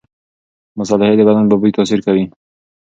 مصالحې د بدن په بوی تاثیر کوي.